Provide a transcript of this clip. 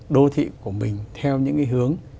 đô thị của mình theo những hướng